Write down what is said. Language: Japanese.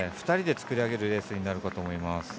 ２人で作り上げるレースになるかと思います。